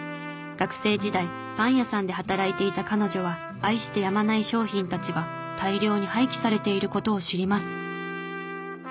学生時代パン屋さんで働いていた彼女は愛してやまない商品たちが大量に廃棄されている事を知ります。